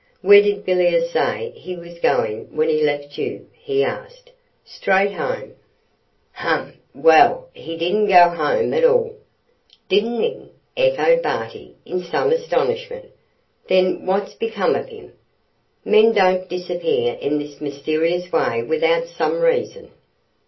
'Where did Villiers say he was going when he left you?' he asked. 'Straight home.' 'Humph! Well, he didn't go home at all.' 'Didn't he?' echoed Barty, in some astonishment. 'Then what's become of him? Men don't disappear in this mysterious way without some reason.